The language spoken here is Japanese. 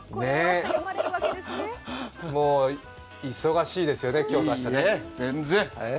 もう忙しいですよね、今日と明日。